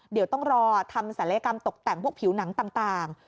เดี๋ยวต้องรอทำศัลยกรรมตกแต่งพวกผิวหนังต่าง